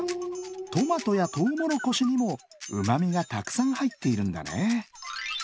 トマトやとうもろこしにもうまみがたくさんはいっているんだね。